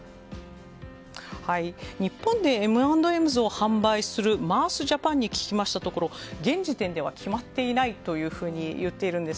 日本でＭ＆Ｍ’ｓを販売するマースジャパンに聞きましたところ現時点では決まっていないと言っているんです。